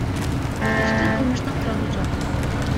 Иште кылмыштын курамы жок.